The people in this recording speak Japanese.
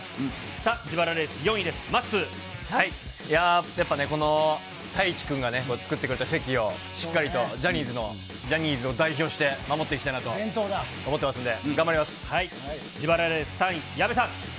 さあ、自腹レース４位です、やっぱね、この太一君が作ってくれた席を、しっかりとジャニーズの、ジャニーズを代表して守っていきたいなと思ってますんで、頑張り自腹レース３位、矢部さん。